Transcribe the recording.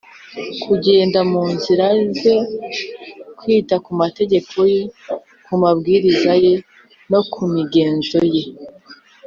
kugenda mu nzira ze, kwitaku mategeko ye, ku mabwiriza ye no ku migenzo ye